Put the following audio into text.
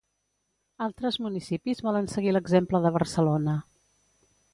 Altres municipis volen seguir l'exemple de Barcelona.